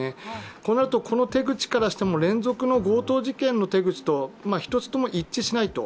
こうなると、この手口からしても連続の強盗事件の手口と一つとも一致しないと。